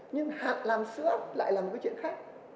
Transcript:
nhưng hạt làm sữa lại làm cái chuyện khác